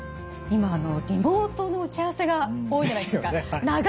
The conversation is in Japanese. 今リモートの打ち合わせが多いじゃないですか。ですよね。